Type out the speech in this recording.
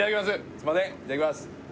すいませんいただきます